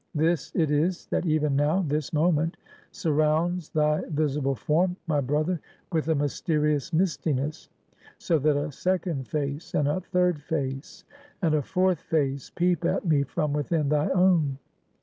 This it is, that even now this moment surrounds thy visible form, my brother, with a mysterious mistiness; so that a second face, and a third face, and a fourth face peep at me from within thy own.